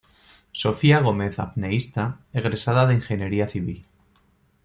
Sofía Gómez Apneista, Egresada de Ingeniería Civil.